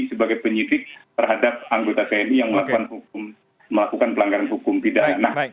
sebagai penyidik terhadap anggota tni yang melakukan pelanggaran hukum pidana